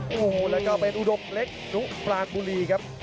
โอ้โหแล้วก็เป็นอุดมเล็กนุปรานบุรีครับ